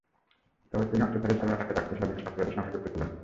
তবে তিনি অস্ত্রধারী হিসেবে এলাকায় ডাকাতিসহ বিভিন্ন অপরাধের সঙ্গে যুক্ত ছিলেন।